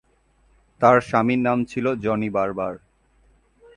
তার স্বামীর নাম ছিল জনি বারবার।